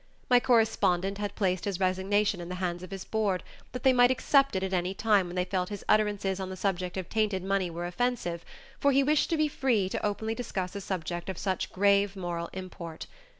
My correspondent had placed his resignation in the hands of his board, that they might accept it at any time when they felt his utterances on the subject of tainted money were offensive, for he wished to be free to openly discuss a subject of such grave moral import.